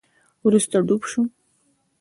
وروسته ډوب شوم